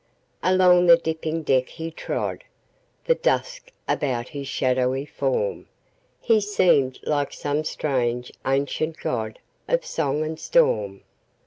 Along the dipping deck he trod, The dusk about his shadowy form; He seemed like some strange ancient godOf song and storm.